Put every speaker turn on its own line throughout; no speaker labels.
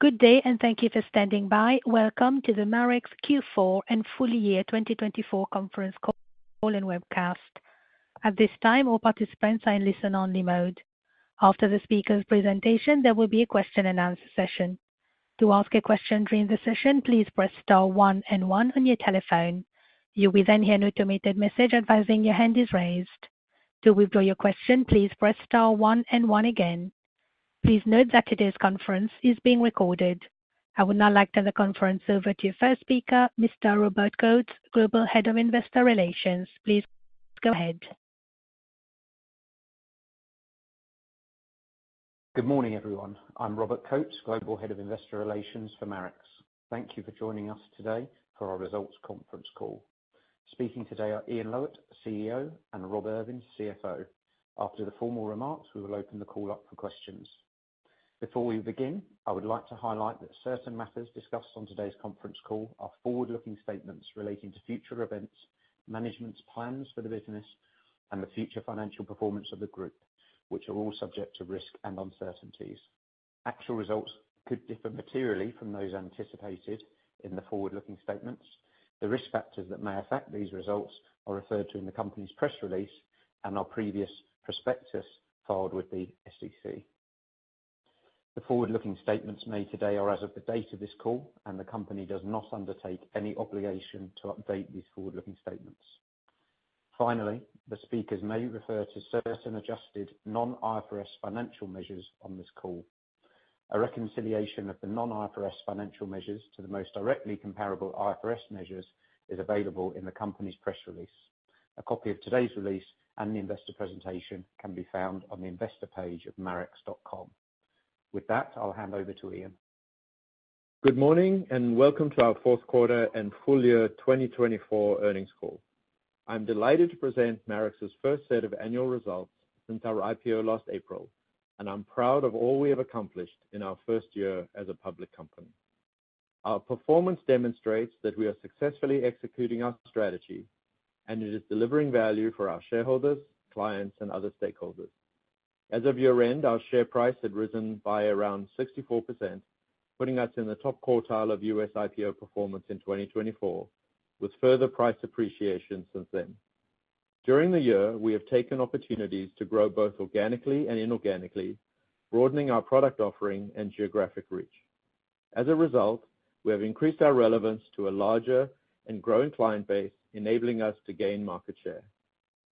Good day, and thank you for standing by. Welcome to the Marex Q4 and full year 2024 conference call and webcast. At this time, all participants are in listen-only mode. After the speaker's presentation, there will be a question-and-answer session. To ask a question during the session, please press star one and one on your telephone. You will then hear an automated message advising your hand is raised. To withdraw your question, please press star one and one again. Please note that today's conference is being recorded. I would now like to turn the conference over to your first speaker, Mr. Robert Coates, Global Head of Investor Relations. Please go ahead.
Good morning, everyone. I'm Robert Coates, Global Head of Investor Relations for Marex. Thank you for joining us today for our results conference call. Speaking today are Ian Lowitt, CEO, and Rob Irvin, CFO. After the formal remarks, we will open the call up for questions. Before we begin, I would like to highlight that certain matters discussed on today's conference call are forward-looking statements relating to future events, management's plans for the business, and the future financial performance of the group, which are all subject to risk and uncertainties. Actual results could differ materially from those anticipated in the forward-looking statements. The risk factors that may affect these results are referred to in the company's press release and our previous prospectus filed with the SEC. The forward-looking statements made today are as of the date of this call, and the company does not undertake any obligation to update these forward-looking statements. Finally, the speakers may refer to certain adjusted non-IFRS financial measures on this call. A reconciliation of the non-IFRS financial measures to the most directly comparable IFRS measures is available in the company's press release. A copy of today's release and the investor presentation can be found on the investor page of Marex.com. With that, I'll hand over to Ian.
Good morning and welcome to our fourth quarter and full year 2024 earnings call. I'm delighted to present Marex's first set of annual results since our IPO last April, and I'm proud of all we have accomplished in our first year as a public company. Our performance demonstrates that we are successfully executing our strategy, and it is delivering value for our shareholders, clients, and other stakeholders. As of year-end, our share price had risen by around 64%, putting us in the top quartile of U.S. IPO performance in 2024, with further price appreciation since then. During the year, we have taken opportunities to grow both organically and inorganically, broadening our product offering and geographic reach. As a result, we have increased our relevance to a larger and growing client base, enabling us to gain market share.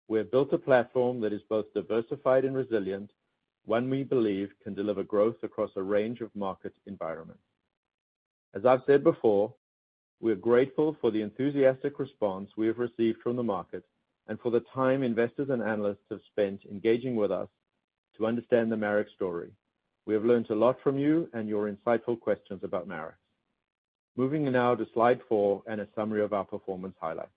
We have built a platform that is both diversified and resilient, one we believe can deliver growth across a range of market environments. As I've said before, we are grateful for the enthusiastic response we have received from the market and for the time investors and analysts have spent engaging with us to understand the Marex story. We have learned a lot from you and your insightful questions about Marex. Moving now to slide four and a summary of our performance highlights.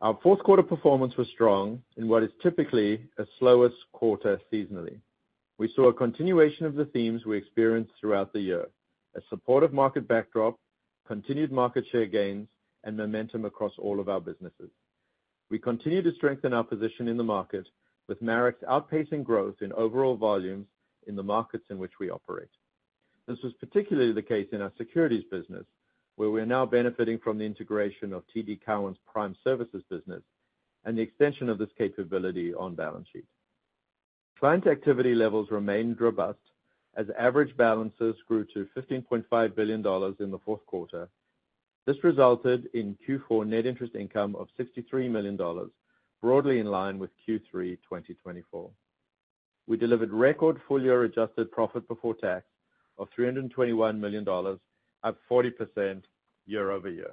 Our fourth quarter performance was strong in what is typically a slower quarter seasonally. We saw a continuation of the themes we experienced throughout the year: a supportive market backdrop, continued market share gains, and momentum across all of our businesses. We continue to strengthen our position in the market with Marex outpacing growth in overall volumes in the markets in which we operate. This was particularly the case in our securities business, where we are now benefiting from the integration of TD Cowen's Prime Services business and the extension of this capability on balance sheet. Client activity levels remained robust as average balances grew to $15.5 billion in the fourth quarter. This resulted in Q4 net interest income of $63 million, broadly in line with Q3 2024. We delivered record full year adjusted profit before tax of $321 million at 40% year over year.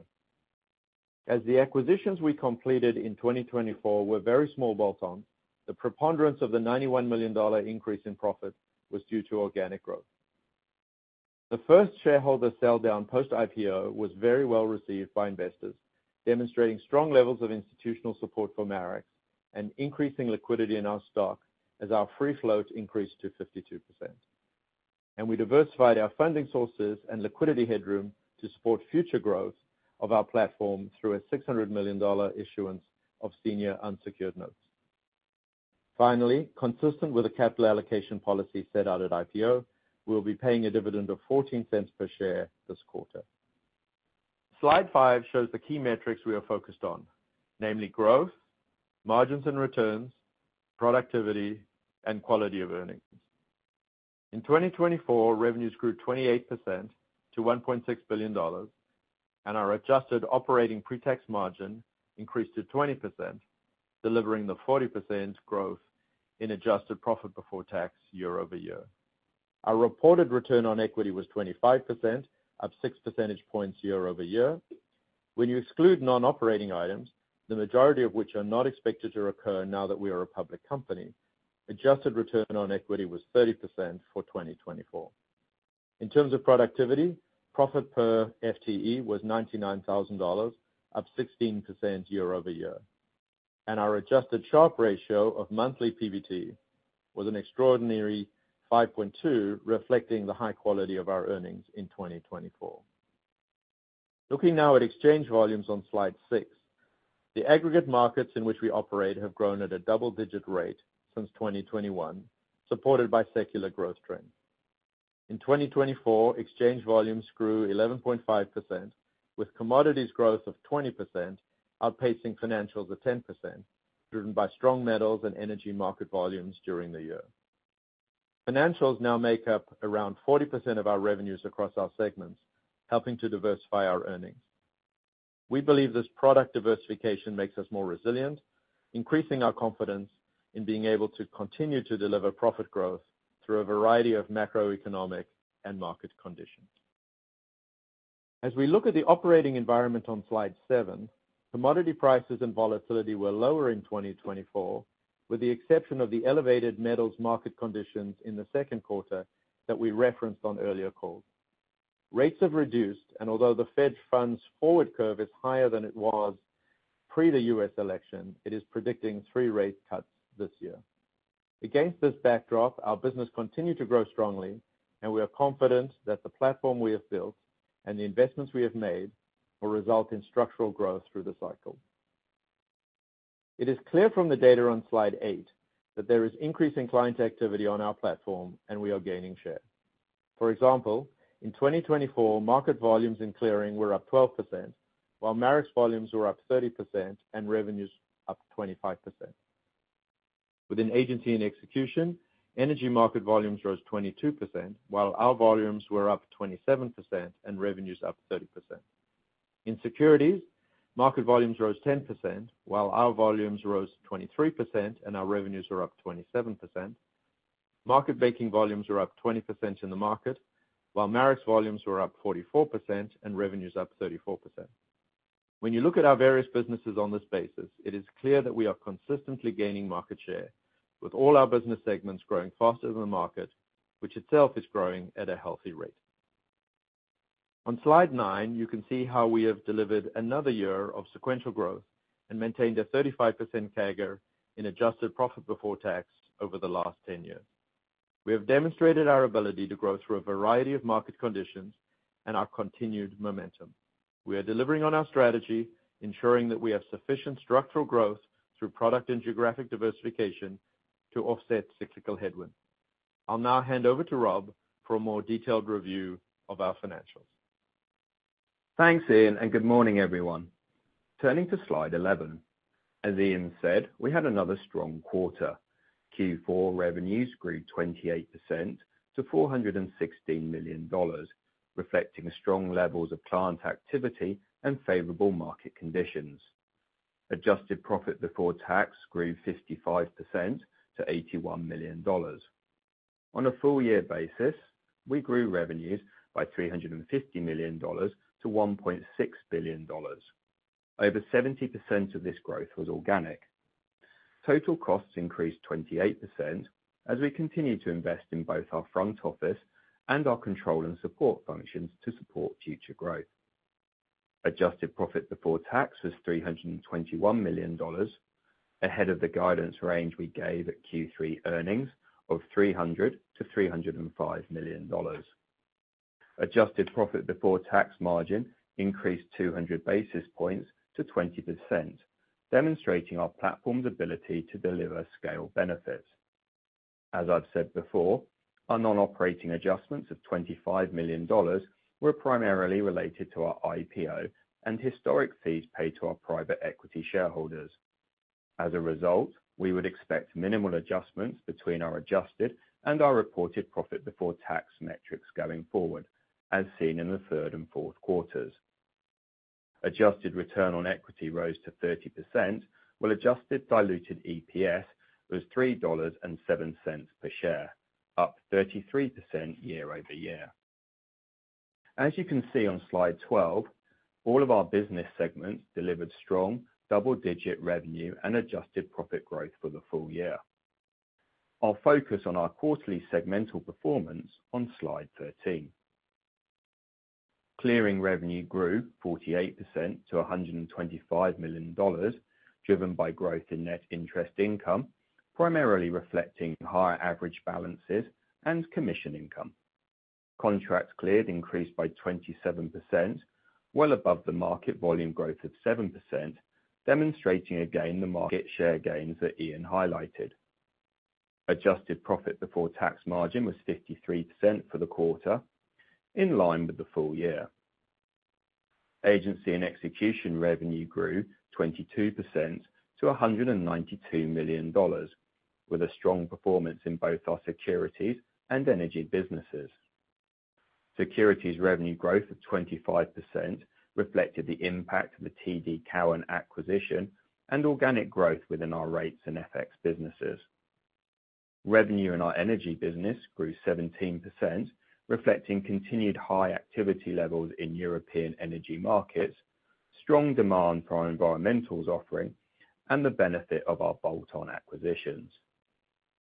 As the acquisitions we completed in 2024 were very small bolt-ons, the preponderance of the $91 million increase in profit was due to organic growth. The first shareholder sell-down post-IPO was very well received by investors, demonstrating strong levels of institutional support for Marex and increasing liquidity in our stock as our free float increased to 52%. We diversified our funding sources and liquidity headroom to support future growth of our platform through a $600 million issuance of senior unsecured notes. Finally, consistent with the capital allocation policy set out at IPO, we will be paying a dividend of $0.14 per share this quarter. Slide five shows the key metrics we are focused on, namely growth, margins and returns, productivity, and quality of earnings. In 2024, revenues grew 28% to $1.6 billion, and our adjusted operating pre-tax margin increased to 20%, delivering the 40% growth in adjusted profit before tax year over year. Our reported return on equity was 25%, up 6 percentage points year over year. When you exclude non-operating items, the majority of which are not expected to occur now that we are a public company, adjusted return on equity was 30% for 2024. In terms of productivity, profit per FTE was $99,000, up 16% year over year, and our adjusted Sharpe ratio of monthly PBT was an extraordinary 5.2, reflecting the high quality of our earnings in 2024. Looking now at exchange volumes on slide six, the aggregate markets in which we operate have grown at a double-digit rate since 2021, supported by secular growth trends. In 2024, exchange volumes grew 11.5%, with commodities growth of 20%, outpacing financials at 10%, driven by strong metals and energy market volumes during the year. Financials now make up around 40% of our revenues across our segments, helping to diversify our earnings. We believe this product diversification makes us more resilient, increasing our confidence in being able to continue to deliver profit growth through a variety of macroeconomic and market conditions. As we look at the operating environment on slide seven, commodity prices and volatility were lower in 2024, with the exception of the elevated metals market conditions in the second quarter that we referenced on earlier calls. Rates have reduced, and although the Fed Funds forward curve is higher than it was pre the U.S. election, it is predicting three rate cuts this year. Against this backdrop, our business continued to grow strongly, and we are confident that the platform we have built and the investments we have made will result in structural growth through the cycle. It is clear from the data on slide eight that there is increasing client activity on our platform, and we are gaining share. For example, in 2024, market volumes and clearing were up 12%, while Marex volumes were up 30% and revenues up 25%. Within agency and execution, energy market volumes rose 22%, while our volumes were up 27% and revenues up 30%. In securities, market volumes rose 10%, while our volumes rose 23% and our revenues were up 27%. Market making volumes were up 20% in the market, while Marex volumes were up 44% and revenues up 34%. When you look at our various businesses on this basis, it is clear that we are consistently gaining market share, with all our business segments growing faster than the market, which itself is growing at a healthy rate. On slide nine, you can see how we have delivered another year of sequential growth and maintained a 35% CAGR in adjusted profit before tax over the last 10 years. We have demonstrated our ability to grow through a variety of market conditions and our continued momentum. We are delivering on our strategy, ensuring that we have sufficient structural growth through product and geographic diversification to offset cyclical headwinds. I'll now hand over to Rob for a more detailed review of our financials.
Thanks, Ian, and good morning, everyone. Turning to slide 11, as Ian said, we had another strong quarter. Q4 revenues grew 28% to $416 million, reflecting strong levels of client activity and favorable market conditions. Adjusted profit before tax grew 55% to $81 million. On a full year basis, we grew revenues by $350 million to $1.6 billion. Over 70% of this growth was organic. Total costs increased 28% as we continue to invest in both our front office and our control and support functions to support future growth. Adjusted profit before tax was $321 million, ahead of the guidance range we gave at Q3 earnings of $300-$305 million. Adjusted profit before tax margin increased 200 basis points to 20%, demonstrating our platform's ability to deliver scale benefits. As I've said before, our non-operating adjustments of $25 million were primarily related to our IPO and historic fees paid to our private equity shareholders. As a result, we would expect minimal adjustments between our adjusted and our reported profit before tax metrics going forward, as seen in the third and fourth quarters. Adjusted return on equity rose to 30%, while adjusted diluted EPS was $3.07 per share, up 33% year over year. As you can see on slide 12, all of our business segments delivered strong double-digit revenue and adjusted profit growth for the full year. I'll focus on our quarterly segmental performance on slide 13. Clearing revenue grew 48% to $125 million, driven by growth in net interest income, primarily reflecting higher average balances and commission income. Contracts cleared increased by 27%, well above the market volume growth of 7%, demonstrating again the market share gains that Ian highlighted. Adjusted profit before tax margin was 53% for the quarter, in line with the full year. Agency and Execution revenue grew 22% to $192 million, with a strong performance in both our Securities and energy businesses. Securities revenue growth of 25% reflected the impact of the TD Cowen acquisition and organic growth within our rates and FX businesses. Revenue in our energy business grew 17%, reflecting continued high activity levels in European energy markets, strong demand for our Environmentals offering, and the benefit of our bolt-on acquisitions.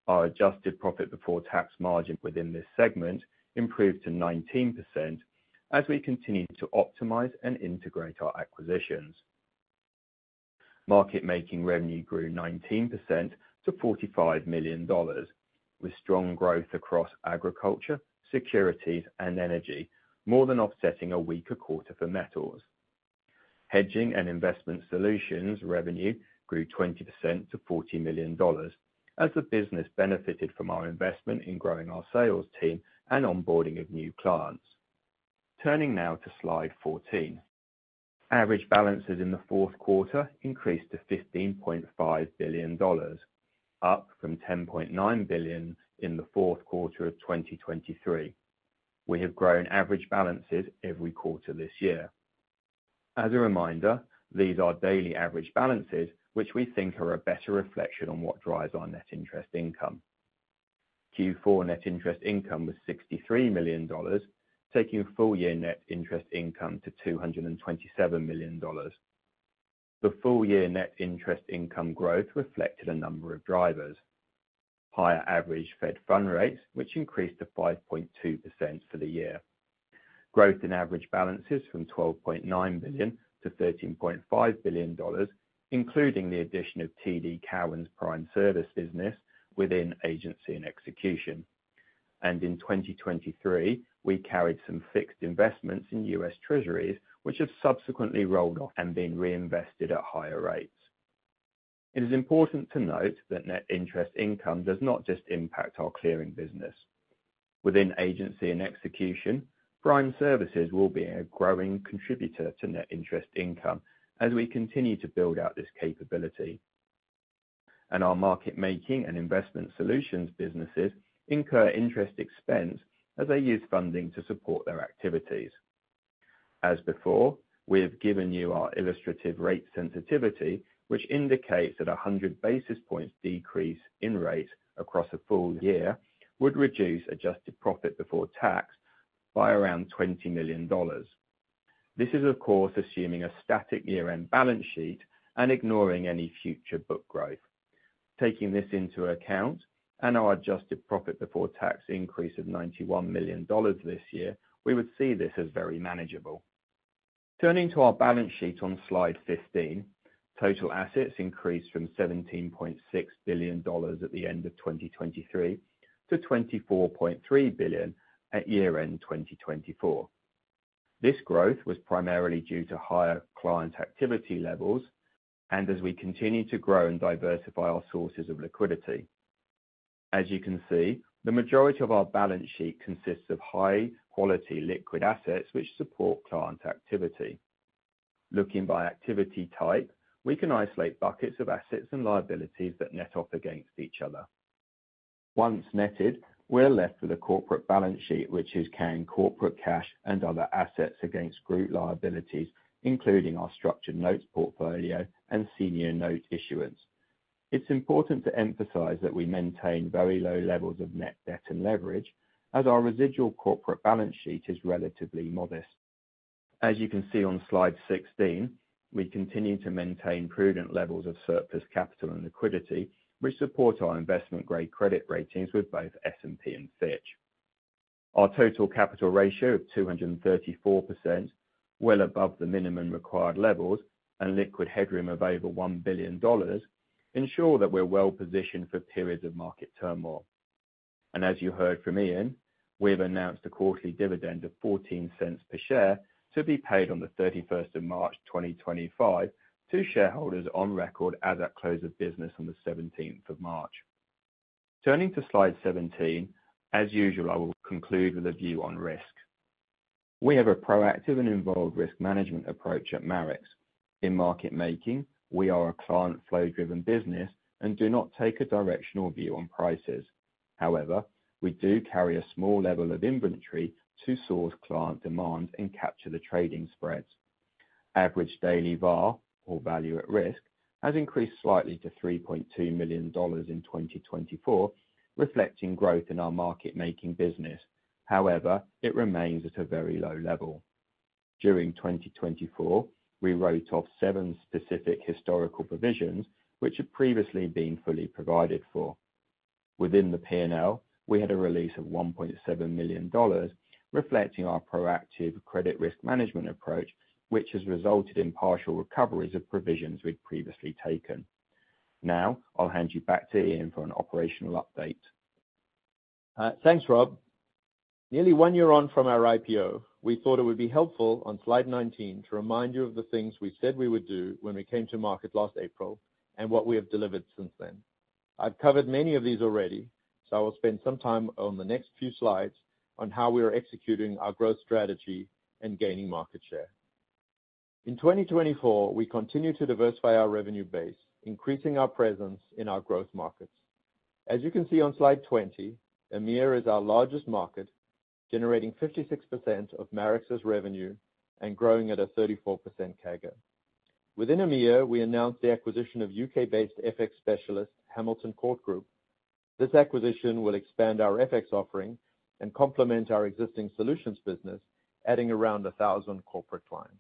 Our adjusted profit before tax margin within this segment improved to 19% as we continued to optimize and integrate our acquisitions. Market making revenue grew 19% to $45 million, with strong growth across agriculture, securities, and energy, more than offsetting a weaker quarter for metals. Hedging and investment solutions revenue grew 20% to $40 million, as the business benefited from our investment in growing our sales team and onboarding of new clients. Turning now to slide 14, average balances in the fourth quarter increased to $15.5 billion, up from $10.9 billion in the fourth quarter of 2023. We have grown average balances every quarter this year. As a reminder, these are daily average balances, which we think are a better reflection on what drives our net interest income. Q4 net interest income was $63 million, taking full year net interest income to $227 million. The full-year net interest income growth reflected a number of drivers: higher average Fed Funds rates, which increased to 5.2% for the year. Growth in average balances from $12.9 billion to $13.5 billion, including the addition of TD Cowen's Prime Services business within agency and execution, and in 2023, we carried some fixed investments in U.S. Treasuries, which have subsequently rolled off and been reinvested at higher rates. It is important to note that net interest income does not just impact our clearing business. Within agency and execution, Prime Services will be a growing contributor to net interest income as we continue to build out this capability, and our market making and investment solutions businesses incur interest expense as they use funding to support their activities. As before, we have given you our illustrative rate sensitivity, which indicates that 100 basis points decrease in rates across a full year would reduce adjusted profit before tax by around $20 million. This is, of course, assuming a static year-end balance sheet and ignoring any future book growth. Taking this into account and our adjusted profit before tax increase of $91 million this year, we would see this as very manageable. Turning to our balance sheet on slide 15, total assets increased from $17.6 billion at the end of 2023 to $24.3 billion at year-end 2024. This growth was primarily due to higher client activity levels and as we continue to grow and diversify our sources of liquidity. As you can see, the majority of our balance sheet consists of high-quality liquid assets which support client activity. Looking by activity type, we can isolate buckets of assets and liabilities that net off against each other. Once netted, we're left with a corporate balance sheet which is carrying corporate cash and other assets against group liabilities, including our structured notes portfolio and senior note issuance. It's important to emphasize that we maintain very low levels of net debt and leverage, as our residual corporate balance sheet is relatively modest. As you can see on slide 16, we continue to maintain prudent levels of surplus capital and liquidity, which support our investment-grade credit ratings with both S&P and Fitch. Our total capital ratio of 234%, well above the minimum required levels, and liquid headroom of over $1 billion ensure that we're well positioned for periods of market turmoil. As you heard from Ian, we've announced a quarterly dividend of $0.14 per share to be paid on the 31st of March 2025 to shareholders on record as at close of business on the 17th of March. Turning to slide 17, as usual, I will conclude with a view on risk. We have a proactive and involved risk management approach at Marex. In market making, we are a client-flow-driven business and do not take a directional view on prices. However, we do carry a small level of inventory to source client demand and capture the trading spreads. Average daily VAR, or value at risk, has increased slightly to $3.2 million in 2024, reflecting growth in our market making business. However, it remains at a very low level. During 2024, we wrote off seven specific historical provisions which had previously been fully provided for. Within the P&L, we had a release of $1.7 million, reflecting our proactive credit risk management approach, which has resulted in partial recoveries of provisions we'd previously taken. Now, I'll hand you back to Ian for an operational update.
Thanks, Rob. Nearly one year on from our IPO, we thought it would be helpful on slide 19 to remind you of the things we said we would do when we came to market last April and what we have delivered since then. I've covered many of these already, so I will spend some time on the next few slides on how we are executing our growth strategy and gaining market share. In 2024, we continue to diversify our revenue base, increasing our presence in our growth markets. As you can see on slide 20, EMEA is our largest market, generating 56% of Marex's revenue and growing at a 34% CAGR. Within EMEA, we announced the acquisition of UK-based FX specialist, Hamilton Court Group. This acquisition will expand our FX offering and complement our existing solutions business, adding around 1,000 corporate clients.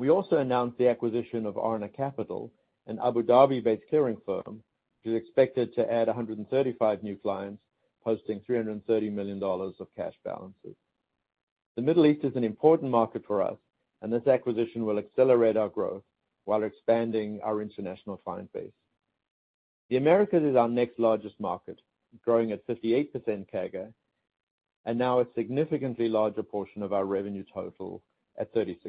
We also announced the acquisition of Arna Capital, an Abu Dhabi-based clearing firm, which is expected to add 135 new clients, posting $330 million of cash balances. The Middle East is an important market for us, and this acquisition will accelerate our growth while expanding our international client base. The Americas is our next largest market, growing at 58% CAGR and now a significantly larger portion of our revenue total at 36%.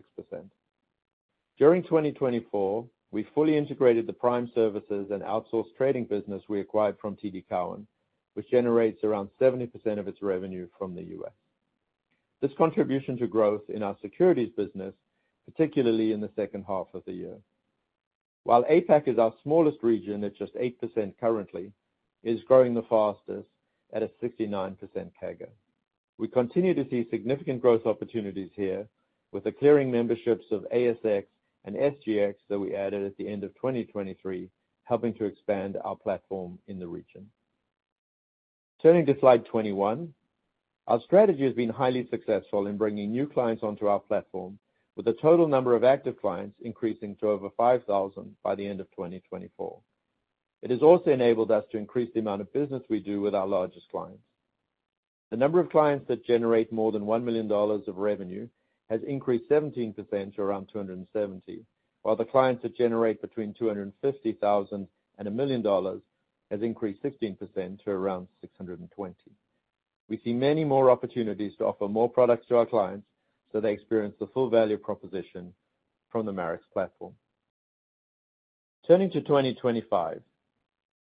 During 2024, we fully integrated the Prime Services and outsourced trading business we acquired from TD Cowen, which generates around 70% of its revenue from the U.S. This contribution to growth in our securities business, particularly in the second half of the year. While APAC is our smallest region at just 8% currently, it is growing the fastest at a 69% CAGR. We continue to see significant growth opportunities here, with the clearing memberships of ASX and SGX that we added at the end of 2023, helping to expand our platform in the region. Turning to slide 21, our strategy has been highly successful in bringing new clients onto our platform, with the total number of active clients increasing to over 5,000 by the end of 2024. It has also enabled us to increase the amount of business we do with our largest clients. The number of clients that generate more than $1 million of revenue has increased 17% to around 270, while the clients that generate between $250,000 and $1 million has increased 16% to around 620. We see many more opportunities to offer more products to our clients so they experience the full value proposition from the Marex platform. Turning to 2025,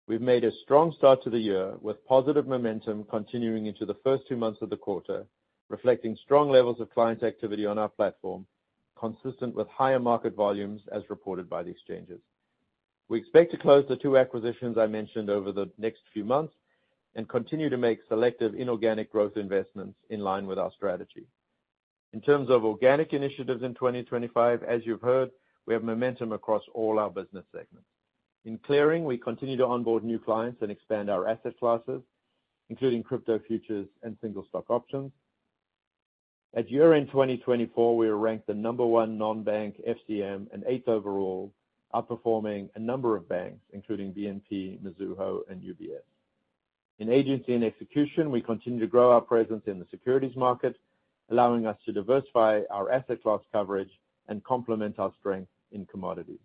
we've made a strong start to the year with positive momentum continuing into the first two months of the quarter, reflecting strong levels of client activity on our platform, consistent with higher market volumes as reported by the exchanges. We expect to close the two acquisitions I mentioned over the next few months and continue to make selective inorganic growth investments in line with our strategy. In terms of organic initiatives in 2025, as you've heard, we have momentum across all our business segments. In clearing, we continue to onboard new clients and expand our asset classes, including crypto futures and single stock options. At year-end 2024, we are ranked the number one non-bank FCM and eighth overall, outperforming a number of banks, including BNP, Mizuho, and UBS. In Agency and Execution, we continue to grow our presence in the securities market, allowing us to diversify our asset class coverage and complement our strength in commodities.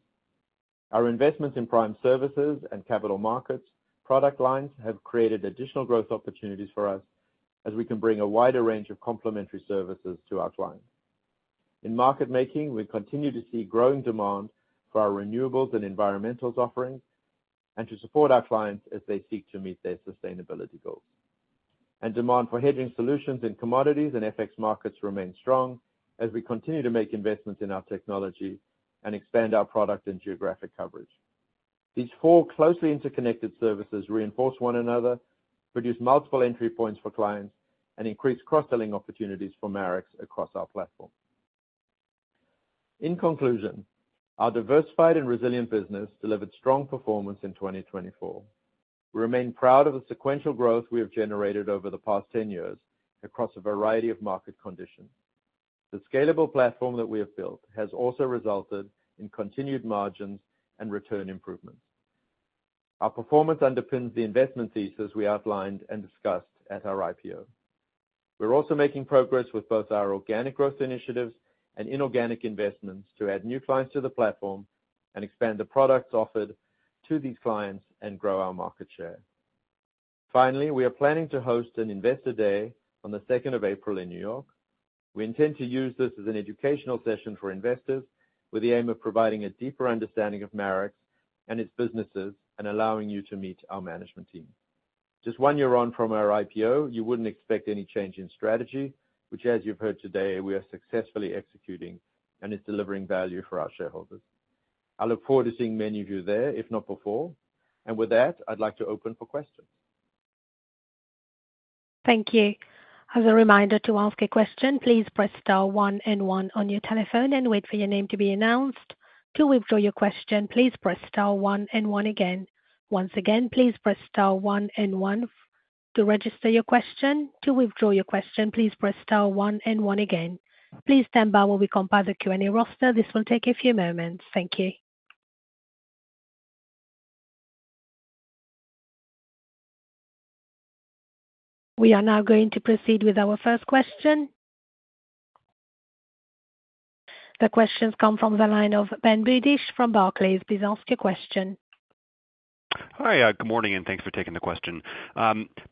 Our investments in Prime Services and Capital Markets product lines have created additional growth opportunities for us as we can bring a wider range of complementary services to our clients. In Market Making, we continue to see growing demand for our Renewables and Environmentals offerings and to support our clients as they seek to meet their sustainability goals, and demand for hedging solutions in commodities and FX markets remains strong as we continue to make investments in our technology and expand our product and geographic coverage. These four closely interconnected services reinforce one another, produce multiple entry points for clients, and increase cross-selling opportunities for Marex across our platform. In conclusion, our diversified and resilient business delivered strong performance in 2024. We remain proud of the sequential growth we have generated over the past 10 years across a variety of market conditions. The scalable platform that we have built has also resulted in continued margins and return improvements. Our performance underpins the investment thesis we outlined and discussed at our IPO. We're also making progress with both our organic growth initiatives and inorganic investments to add new clients to the platform and expand the products offered to these clients and grow our market share. Finally, we are planning to host an Investor Day on the 2nd of April in New York. We intend to use this as an educational session for investors with the aim of providing a deeper understanding of Marex and its businesses and allowing you to meet our management team. Just one year on from our IPO, you wouldn't expect any change in strategy, which, as you've heard today, we are successfully executing and is delivering value for our shareholders. I look forward to seeing many of you there, if not before, and with that, I'd like to open for questions.
Thank you. As a reminder to ask a question, please press star one and one on your telephone and wait for your name to be announced. To withdraw your question, please press star one and one again. Once again, please press star one and one to register your question. To withdraw your question, please press star one and one again. Please stand by while we compile the Q&A roster. This will take a few moments. Thank you. We are now going to proceed with our first question. The questions come from the line of Ben Budish from Barclays. Please ask your question.
Hi, good morning, and thanks for taking the question.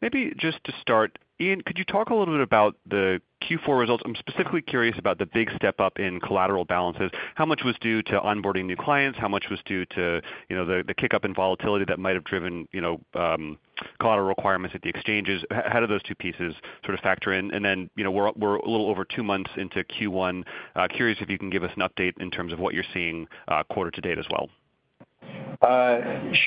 Maybe just to start, Ian, could you talk a little bit about the Q4 results? I'm specifically curious about the big step up in collateral balances. How much was due to onboarding new clients? How much was due to the kick-up in volatility that might have driven collateral requirements at the exchanges? How do those two pieces sort of factor in? And then we're a little over two months into Q1. Curious if you can give us an update in terms of what you're seeing quarter to date as well.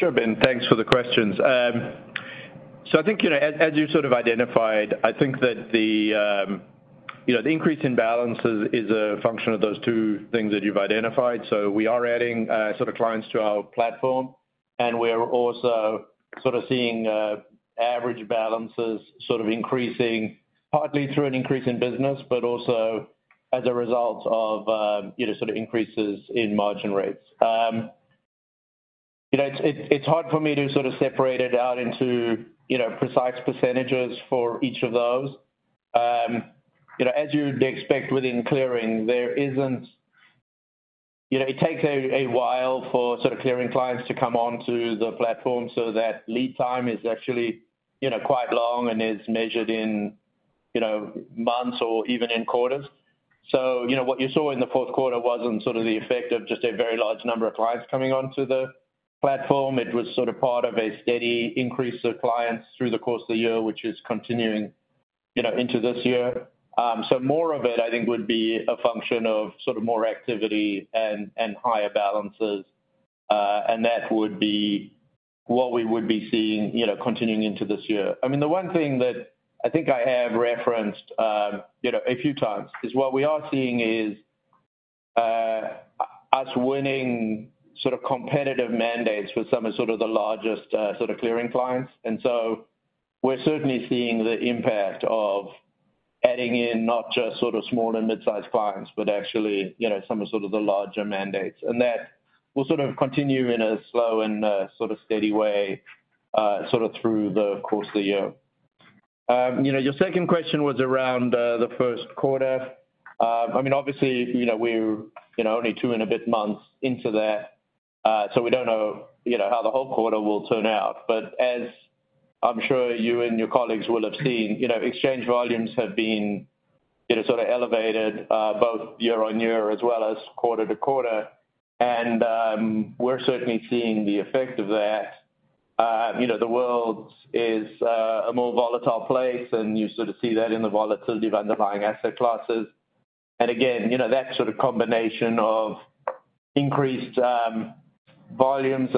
Sure, Ben. Thanks for the questions. So I think, as you sort of identified, I think that the increase in balances is a function of those two things that you've identified. So we are adding sort of clients to our platform, and we are also sort of seeing average balances sort of increasing partly through an increase in business, but also as a result of sort of increases in margin rates. It's hard for me to sort of separate it out into precise percentages for each of those. As you'd expect within clearing, it takes a while for sort of clearing clients to come onto the platform, so that lead time is actually quite long and is measured in months or even in quarters. So what you saw in the fourth quarter wasn't sort of the effect of just a very large number of clients coming onto the platform. It was sort of part of a steady increase of clients through the course of the year, which is continuing into this year. So more of it, I think, would be a function of sort of more activity and higher balances, and that would be what we would be seeing continuing into this year. I mean, the one thing that I think I have referenced a few times is what we are seeing is us winning sort of competitive mandates for some of sort of the largest sort of clearing clients. And so we're certainly seeing the impact of adding in not just sort of small and mid-sized clients, but actually some of sort of the larger mandates. And that will sort of continue in a slow and sort of steady way sort of through the course of the year. Your second question was around the first quarter. I mean, obviously, we're only two and a bit months into that, so we don't know how the whole quarter will turn out. But as I'm sure you and your colleagues will have seen, exchange volumes have been sort of elevated both year on year as well as quarter to quarter, and we're certainly seeing the effect of that. The world is a more volatile place, and you sort of see that in the volatility of underlying asset classes. And again, that sort of combination of increased volumes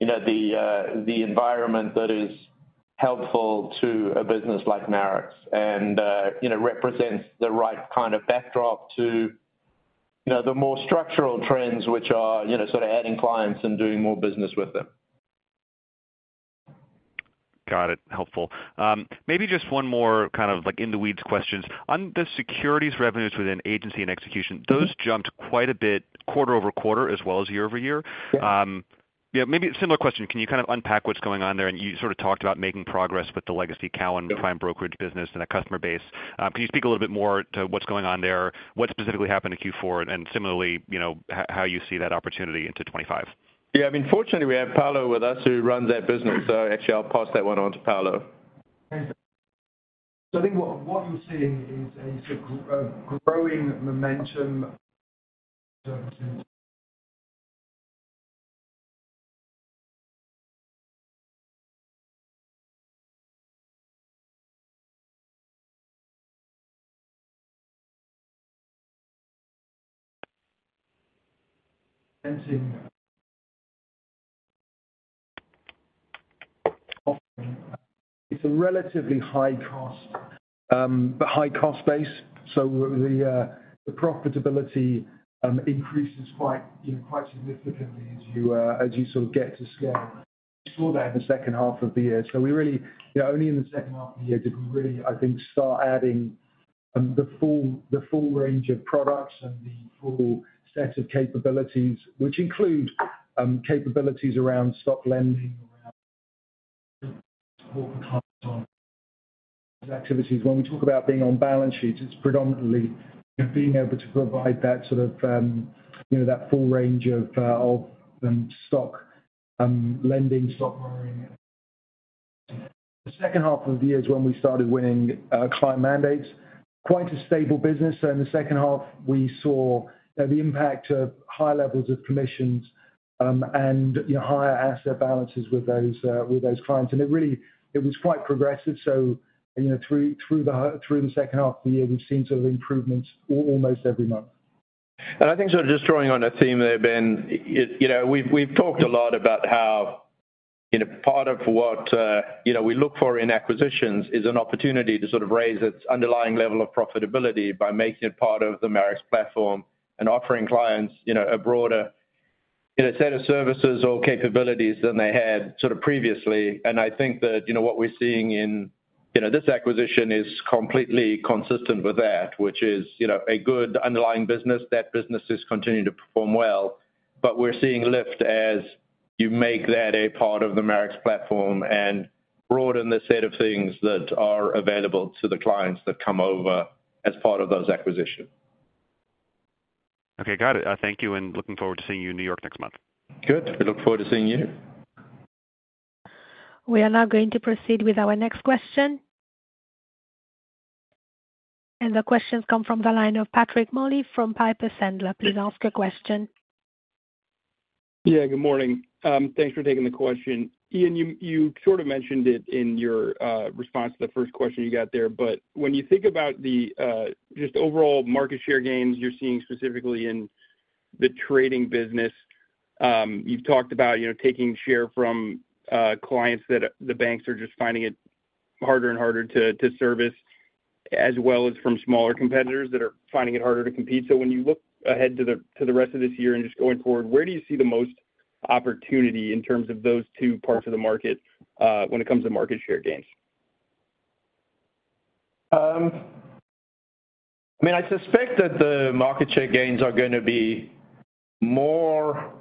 and higher volatility is clearly the environment that is helpful to a business like Marex and represents the right kind of backdrop to the more structural trends, which are sort of adding clients and doing more business with them.
Got it. Helpful. Maybe just one more kind of like in-the-weeds questions. On the securities revenues within agency and execution, those jumped quite a bit quarter over quarter as well as year over year. Maybe a similar question. Can you kind of unpack what's going on there? And you sort of talked about making progress with the legacy Cowen Prime Brokerage business and a customer base. Can you speak a little bit more to what's going on there? What specifically happened in Q4? And similarly, how you see that opportunity into '25?
Yeah. I mean, fortunately, we have Paolo with us who runs that business, so actually, I'll pass that one on to Paolo.
So I think what you're seeing is a growing momentum in services. It's a relatively high cost, but high cost base. So the profitability increases quite significantly as you sort of get to scale. We saw that in the second half of the year. So we really, only in the second half of the year did we really, I think, start adding the full range of products and the full set of capabilities, which include capabilities around stock lending, around support for clients on activities. When we talk about being on balance sheets, it's predominantly being able to provide that sort of that full range of stock lending, stock borrowing. The second half of the year is when we started winning client mandates. Quite a stable business. So in the second half, we saw the impact of high levels of commissions and higher asset balances with those clients. It really was quite progressive. Through the second half of the year, we've seen sort of improvements almost every month.
And I think sort of just drawing on a theme there, Ben, we've talked a lot about how part of what we look for in acquisitions is an opportunity to sort of raise its underlying level of profitability by making it part of the Marex platform and offering clients a broader set of services or capabilities than they had sort of previously. And I think that what we're seeing in this acquisition is completely consistent with that, which is a good underlying business. That business is continuing to perform well, but we're seeing lift as you make that a part of the Marex platform and broaden the set of things that are available to the clients that come over as part of those acquisitions.
Okay. Got it. Thank you. Looking forward to seeing you in New York next month.
Good. We look forward to seeing you.
We are now going to proceed with our next question. The questions come from the line of Patrick Moley from Piper Sandler. Please ask your question.
Yeah. Good morning. Thanks for taking the question. Ian, you sort of mentioned it in your response to the first question you got there, but when you think about the just overall market share gains you're seeing specifically in the trading business, you've talked about taking share from clients that the banks are just finding it harder and harder to service, as well as from smaller competitors that are finding it harder to compete. So when you look ahead to the rest of this year and just going forward, where do you see the most opportunity in terms of those two parts of the market when it comes to market share gains? I mean, I suspect that the market share gains are going to be more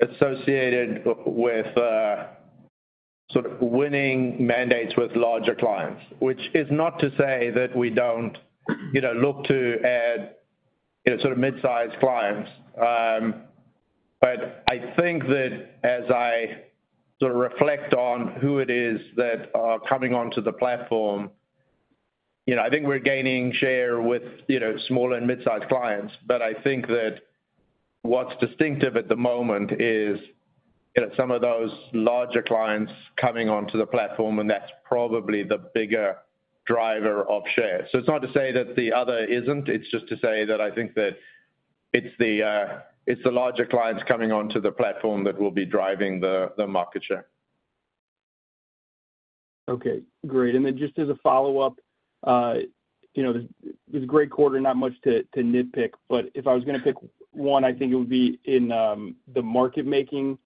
associated with sort of winning mandates with larger clients, which is not to say that we don't look to add sort of mid-sized clients. But I think that as I sort of reflect on who it is that are coming onto the platform, I think we're gaining share with small and mid-sized clients. But I think that what's distinctive at the moment is some of those larger clients coming onto the platform, and that's probably the bigger driver of share. So it's not to say that the other isn't. It's just to say that I think that it's the larger clients coming onto the platform that will be driving the market share. Okay. Great. And then just as a follow-up, this great quarter, not much to nitpick, but if I was going to pick one, I think it would be in the market-making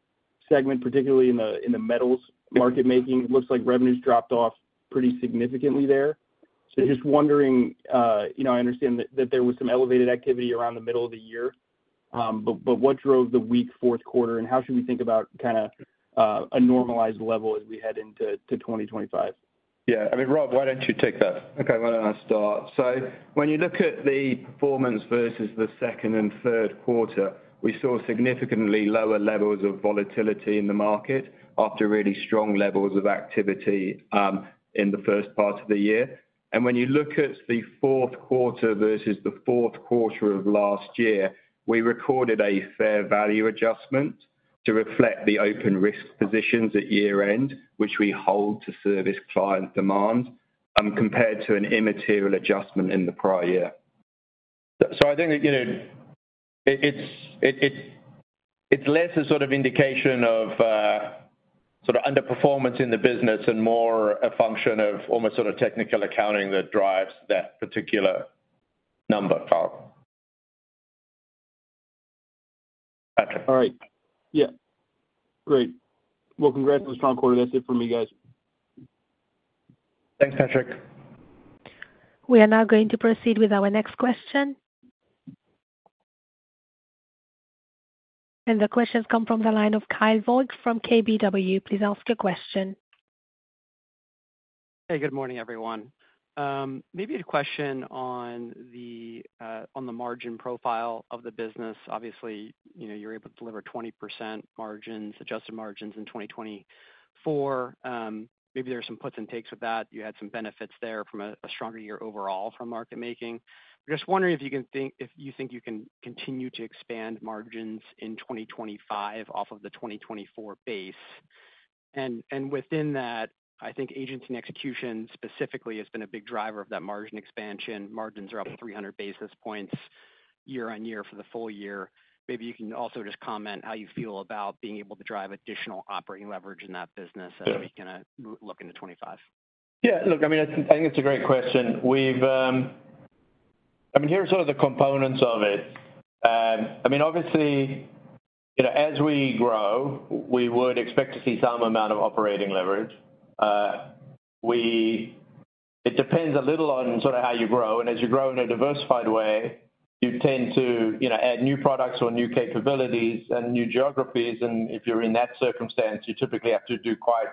segment, particularly in the metals market-making. It looks like revenues dropped off pretty significantly there. So just wondering, I understand that there was some elevated activity around the middle of the year, but what drove the weak fourth quarter? And how should we think about kind of a normalized level as we head into 2025? Yeah. I mean, Rob, why don't you take that?
Okay. Why don't I start? So when you look at the performance versus the second and third quarter, we saw significantly lower levels of volatility in the market after really strong levels of activity in the first part of the year. And when you look at the fourth quarter versus the fourth quarter of last year, we recorded a fair value adjustment to reflect the open risk positions at year-end, which we hold to service client demand, compared to an immaterial adjustment in the prior year.
So I think it's less a sort of indication of sort of underperformance in the business and more a function of almost sort of technical accounting that drives that particular number, Paolo. Patrick. All right. Yeah. Great. Well, congrats on the strong quarter. That's it from me, guys.
Thanks, Patrick.
We are now going to proceed with our next question, and the questions come from the line of Kyle Voigt from KBW. Please ask your question.
Hey, good morning, everyone. Maybe a question on the margin profile of the business. Obviously, you were able to deliver 20% adjusted margins in 2024. Maybe there are some puts and takes with that. You had some benefits there from a stronger year overall for market-making. I'm just wondering if you think you can continue to expand margins in 2025 off of the 2024 base. And within that, I think agency and execution specifically has been a big driver of that margin expansion. Margins are up 300 basis points year on year for the full year. Maybe you can also just comment how you feel about being able to drive additional operating leverage in that business as we kind of look into 2025.
Yeah. Look, I mean, I think it's a great question. I mean, here are sort of the components of it. I mean, obviously, as we grow, we would expect to see some amount of operating leverage. It depends a little on sort of how you grow. And as you grow in a diversified way, you tend to add new products or new capabilities and new geographies. And if you're in that circumstance, you typically have to do quite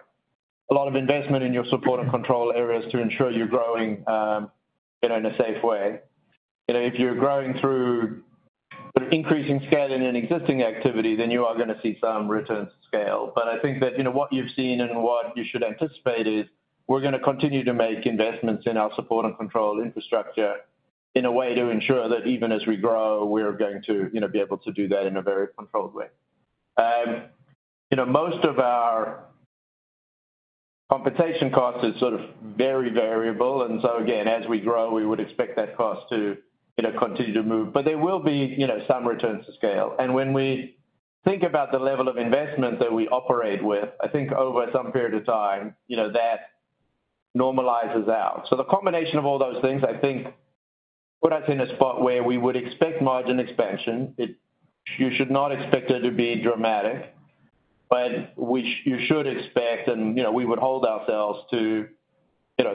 a lot of investment in your support and control areas to ensure you're growing in a safe way. If you're growing through increasing scale in an existing activity, then you are going to see some returns to scale. But I think that what you've seen and what you should anticipate is we're going to continue to make investments in our support and control infrastructure in a way to ensure that even as we grow, we are going to be able to do that in a very controlled way. Most of our computation cost is sort of very variable. And so again, as we grow, we would expect that cost to continue to move. But there will be some returns to scale. And when we think about the level of investment that we operate with, I think over some period of time, that normalizes out. So the combination of all those things, I think, put us in a spot where we would expect margin expansion. You should not expect it to be dramatic, but you should expect, and we would hold ourselves to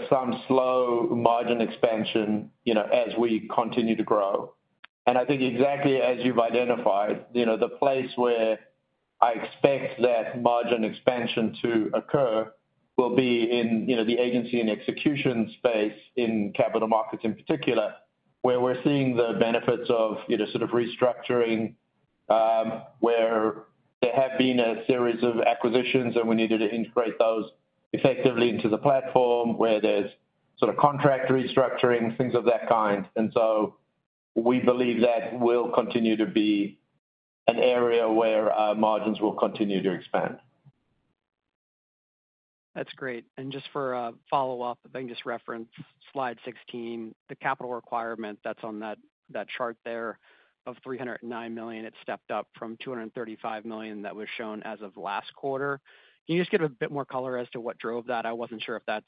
some slow margin expansion as we continue to grow. And I think exactly as you've identified, the place where I expect that margin expansion to occur will be in the agency and execution space in capital markets in particular, where we're seeing the benefits of sort of restructuring, where there have been a series of acquisitions, and we needed to integrate those effectively into the platform, where there's sort of contract restructuring, things of that kind. And so we believe that will continue to be an area where our margins will continue to expand.
That's great. And just for a follow-up, I think just reference slide 16, the capital requirement that's on that chart there of $309 million, it stepped up from $235 million that was shown as of last quarter. Can you just get a bit more color as to what drove that? I wasn't sure if that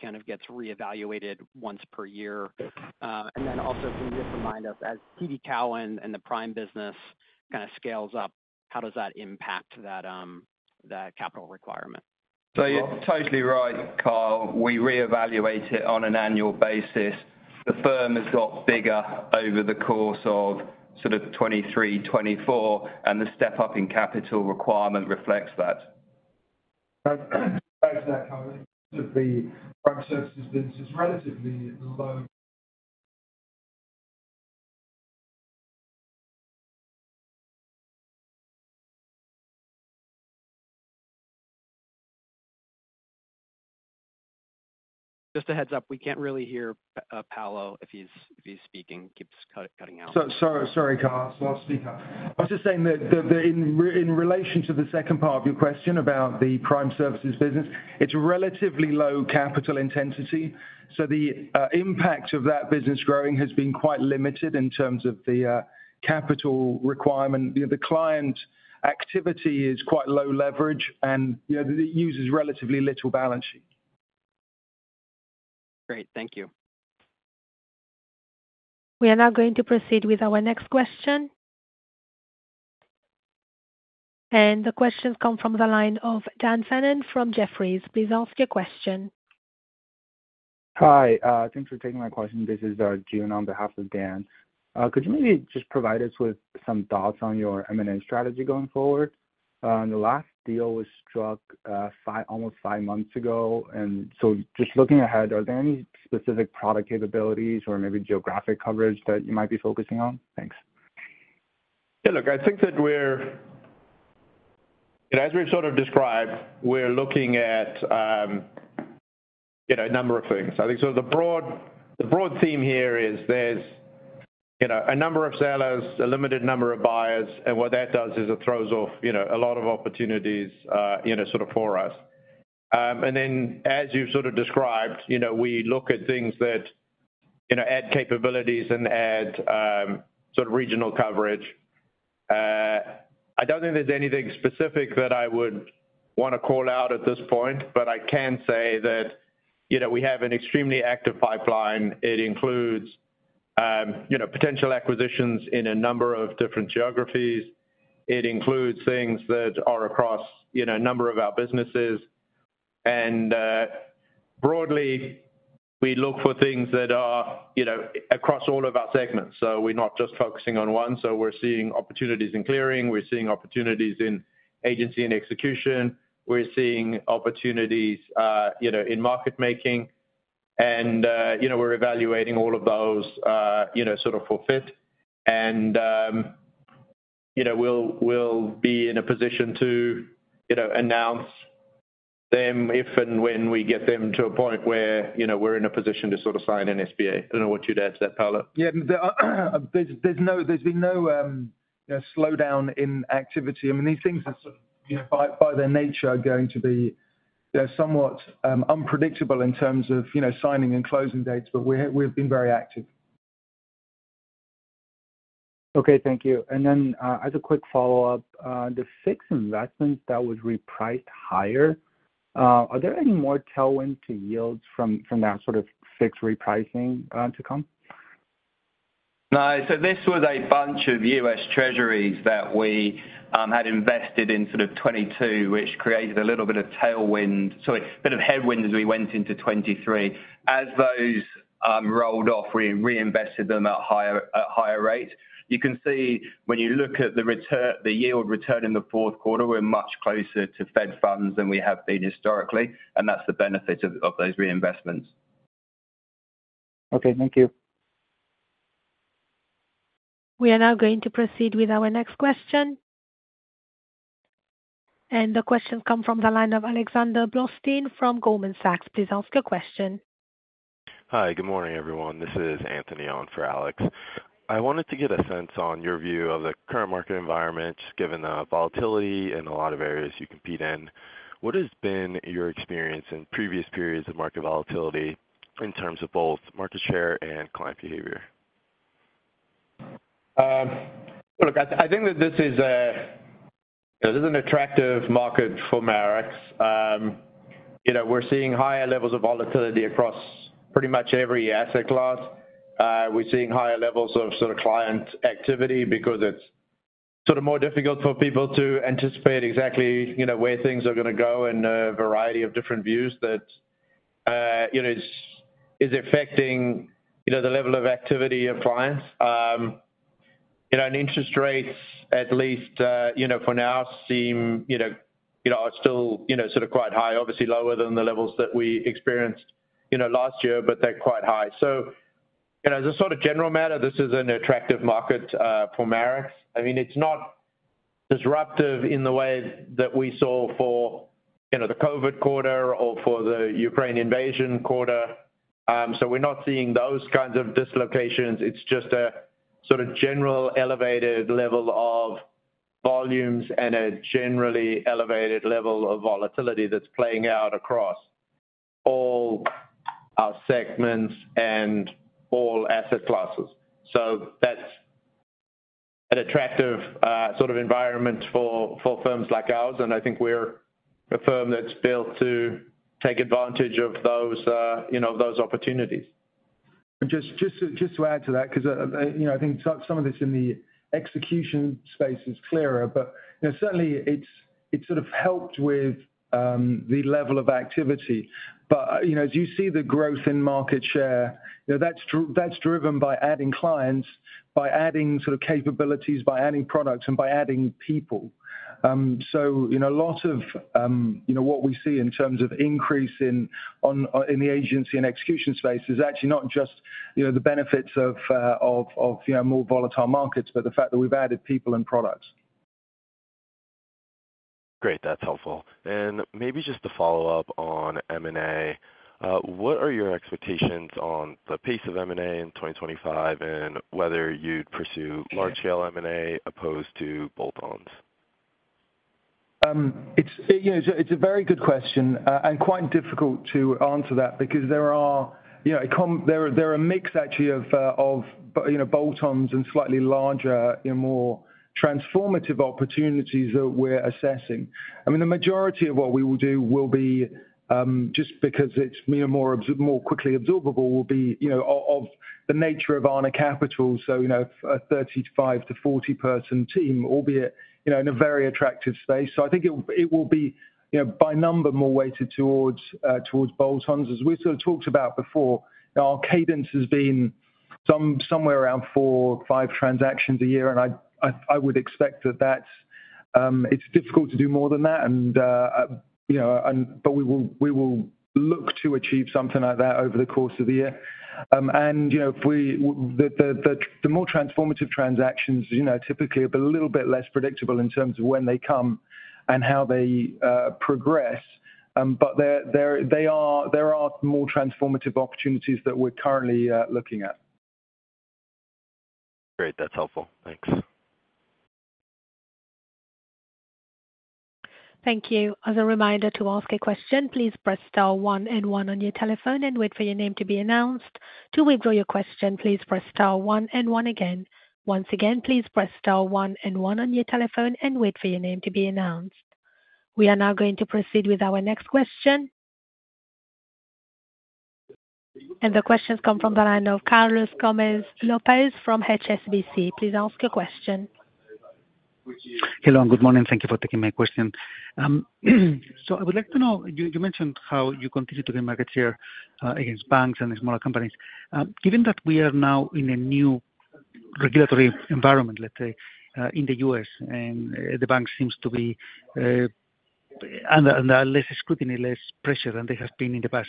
kind of gets reevaluated once per year. And then also, can you just remind us, as TD Cowen and the Prime business kind of scales up, how does that impact that capital requirement?
So you're totally right, Carlos. We reevaluate it on an annual basis. The firm has got bigger over the course of sort of 2023, 2024, and the step-up in capital requirement reflects that.
Thanks for that, Carl. The Prime Services business is relatively low.
Just a heads up, we can't really hear Paolo if he's speaking. Keeps cutting out.
Sorry, Carl. It's not a speaker. I was just saying that in relation to the second part of your question about the Prime Services business, it's relatively low capital intensity. So the impact of that business growing has been quite limited in terms of the capital requirement. The client activity is quite low leverage, and it uses relatively little balance sheet.
Great. Thank you.
We are now going to proceed with our next question, and the questions come from the line of Dan Fannon from Jefferies. Please ask your question. Hi. Thanks for taking my question. This is June on behalf of Dan. Could you maybe just provide us with some thoughts on your M&A strategy going forward? The last deal was struck almost five months ago, and so just looking ahead, are there any specific product capabilities or maybe geographic coverage that you might be focusing on? Thanks.
Yeah. Look, I think that we're as we've sort of described, we're looking at a number of things. I think sort of the broad theme here is there's a number of sellers, a limited number of buyers, and what that does is it throws off a lot of opportunities sort of for us. And then as you've sort of described, we look at things that add capabilities and add sort of regional coverage. I don't think there's anything specific that I would want to call out at this point, but I can say that we have an extremely active pipeline. It includes potential acquisitions in a number of different geographies. It includes things that are across a number of our businesses. And broadly, we look for things that are across all of our segments. So we're not just focusing on one. So we're seeing opportunities in clearing. We're seeing opportunities in Agency and Execution. We're seeing opportunities in market-making. And we're evaluating all of those sort of for fit. And we'll be in a position to announce them if and when we get them to a point where we're in a position to sort of sign an SPA. I don't know what you'd add to that, Paolo. Yeah. There's been no slowdown in activity. I mean, these things are sort of by their nature going to be somewhat unpredictable in terms of signing and closing dates, but we have been very active. Okay. Thank you. And then as a quick follow-up, the fixed investment that was repriced higher, are there any more tailwinds to yields from that sort of fixed repricing to come? No. This was a bunch of U.S. Treasuries that we had invested in sort of 2022, which created a little bit of tailwind. Sorry, a bit of headwind as we went into 2023. As those rolled off, we reinvested them at higher rates. You can see when you look at the yield return in the fourth quarter. We're much closer to Fed funds than we have been historically. And that's the benefit of those reinvestments. Okay. Thank you.
We are now going to proceed with our next question, and the questions come from the line of Alexander Blostin from Goldman Sachs. Please ask your question. Hi. Good morning, everyone. This is Anthony on for Alex. I wanted to get a sense on your view of the current market environment, just given the volatility in a lot of areas you compete in. What has been your experience in previous periods of market volatility in terms of both market share and client behavior?
Look, I think that this is an attractive market for Marex. We're seeing higher levels of volatility across pretty much every asset class. We're seeing higher levels of sort of client activity because it's sort of more difficult for people to anticipate exactly where things are going to go and a variety of different views that is affecting the level of activity of clients. Interest rates, at least for now, seem are still sort of quite high, obviously lower than the levels that we experienced last year, but they're quite high. As a sort of general matter, this is an attractive market for Marex. I mean, it's not disruptive in the way that we saw for the COVID quarter or for the Ukraine invasion quarter. We're not seeing those kinds of dislocations. It's just a sort of general elevated level of volumes and a generally elevated level of volatility that's playing out across all our segments and all asset classes. So that's an attractive sort of environment for firms like ours. And I think we're a firm that's built to take advantage of those opportunities.
Just to add to that, because I think some of this in the execution space is clearer, but certainly, it's sort of helped with the level of activity. But as you see the growth in market share, that's driven by adding clients, by adding sort of capabilities, by adding products, and by adding people. So a lot of what we see in terms of increase in the agency and execution space is actually not just the benefits of more volatile markets, but the fact that we've added people and products.
Great. That's helpful. And maybe just to follow up on M&A, what are your expectations on the pace of M&A in 2025 and whether you'd pursue large-scale M&A as opposed to bolt-ons?
It's a very good question and quite difficult to answer that because there are a mix, actually, of bolt-ons and slightly larger, more transformative opportunities that we're assessing. I mean, the majority of what we will do will be just because it's more quickly absorbable will be of the nature of Arna Capital, so a 35-40-person team, albeit in a very attractive space, so I think it will be, by number, more weighted towards bolt-ons. As we sort of talked about before, our cadence has been somewhere around four, five transactions a year, and I would expect that it's difficult to do more than that, but we will look to achieve something like that over the course of the year. The more transformative transactions typically are a little bit less predictable in terms of when they come and how they progress, but there are more transformative opportunities that we're currently looking at.
Great. That's helpful. Thanks. Thank you. As a reminder to ask a question, please press star one and one on your telephone and wait for your name to be announced. To withdraw your question, please press star one and one again. Once again, please press star one and one on your telephone and wait for your name to be announced. We are now going to proceed with our next question. And the questions come from the line of Carlos Gomez Lopez from HSBC. Please ask your question.
Hello. Good morning. Thank you for taking my question. So I would like to know, you mentioned how you continue to gain market share against banks and smaller companies. Given that we are now in a new regulatory environment, let's say, in the U.S., and the banks seem to be under less scrutiny, less pressure than they have been in the past,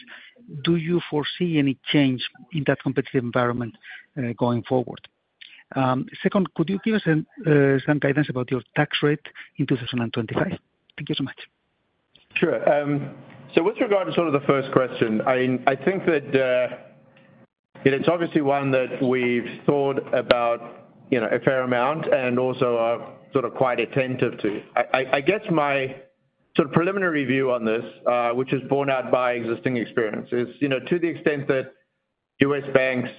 do you foresee any change in that competitive environment going forward? Second, could you give us some guidance about your tax rate in 2025? Thank you so much.
Sure. So with regard to sort of the first question, I think that it's obviously one that we've thought about a fair amount and also are sort of quite attentive to. I guess my sort of preliminary view on this, which is borne out by existing experience, is to the extent that U.S. banks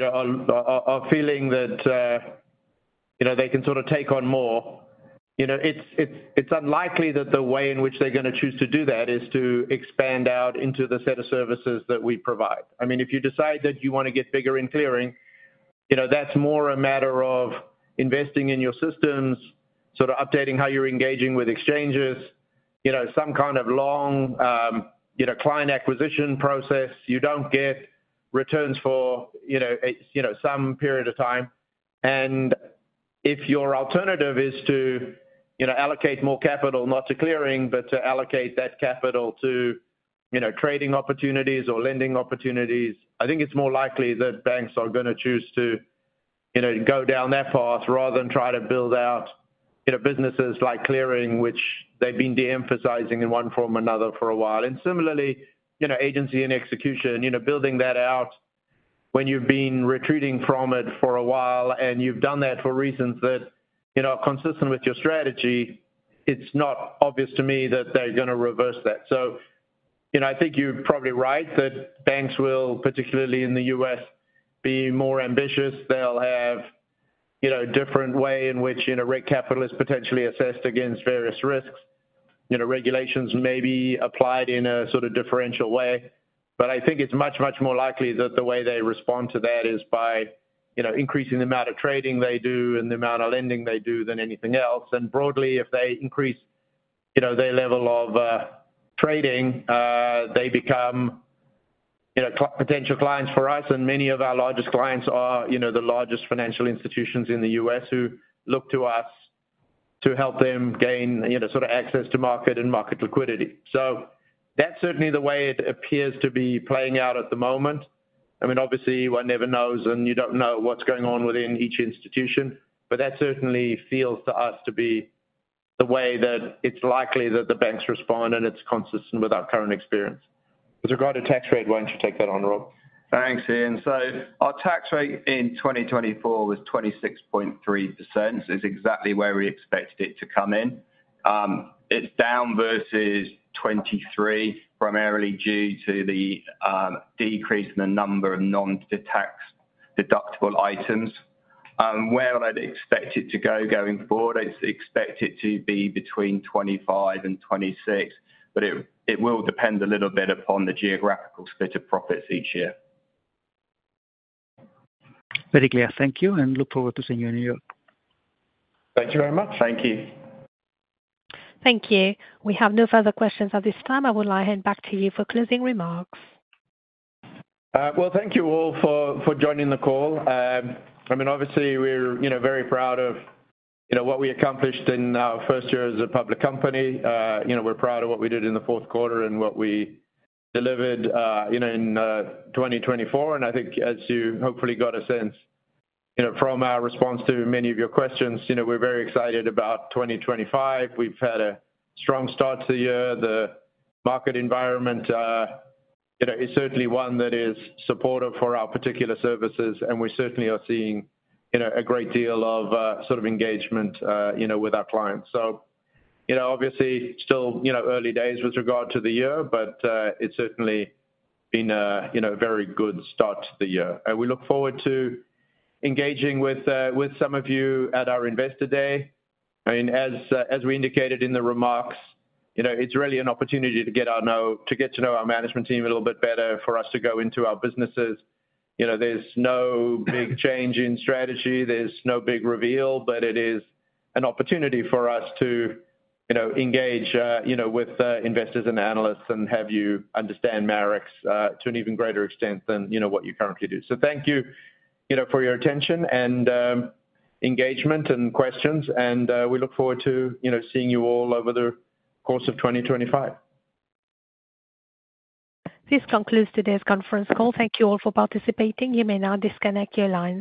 are feeling that they can sort of take on more, it's unlikely that the way in which they're going to choose to do that is to expand out into the set of services that we provide. I mean, if you decide that you want to get bigger in clearing, that's more a matter of investing in your systems, sort of updating how you're engaging with exchanges, some kind of long client acquisition process. You don't get returns for some period of time. And if your alternative is to allocate more capital, not to clearing, but to allocate that capital to trading opportunities or lending opportunities, I think it's more likely that banks are going to choose to go down that path rather than try to build out businesses like clearing, which they've been de-emphasizing in one form or another for a while. And similarly, agency and execution, building that out when you've been retreating from it for a while and you've done that for reasons that are consistent with your strategy, it's not obvious to me that they're going to reverse that. So I think you're probably right that banks will, particularly in the US, be more ambitious. They'll have a different way in which rate capital is potentially assessed against various risks. Regulations may be applied in a sort of differential way. But I think it's much, much more likely that the way they respond to that is by increasing the amount of trading they do and the amount of lending they do than anything else. And broadly, if they increase their level of trading, they become potential clients for us. And many of our largest clients are the largest financial institutions in the U.S. who look to us to help them gain sort of access to market and market liquidity. So that's certainly the way it appears to be playing out at the moment. I mean, obviously, one never knows, and you don't know what's going on within each institution, but that certainly feels to us to be the way that it's likely that the banks respond, and it's consistent with our current experience. With regard to tax rate, why don't you take that on, Rob? Thanks, Ian. So our tax rate in 2024 was 26.3%. It's exactly where we expected it to come in. It's down versus 2023, primarily due to the decrease in the number of non-deductible items. Where I'd expect it to go going forward, I'd expect it to be between 25% and 26%, but it will depend a little bit upon the geographical split of profits each year.
Very clear. Thank you. And look forward to seeing you in New York.
Thank you very much. Thank you.
Thank you. We have no further questions at this time. I will now hand back to you for closing remarks.
Thank you all for joining the call. I mean, obviously, we're very proud of what we accomplished in our first year as a public company. We're proud of what we did in the fourth quarter and what we delivered in 2024. I think, as you hopefully got a sense from our response to many of your questions, we're very excited about 2025. We've had a strong start to the year. The market environment is certainly one that is supportive for our particular services, and we certainly are seeing a great deal of sort of engagement with our clients. Obviously, still early days with regard to the year, but it's certainly been a very good start to the year. We look forward to engaging with some of you at our Investor Day. I mean, as we indicated in the remarks, it's really an opportunity to get to know our management team a little bit better for us to go into our businesses. There's no big change in strategy. There's no big reveal, but it is an opportunity for us to engage with investors and analysts and have you understand Marex to an even greater extent than what you currently do. So thank you for your attention and engagement and questions. And we look forward to seeing you all over the course of 2025.
This concludes today's conference call. Thank you all for participating. You may now disconnect your lines.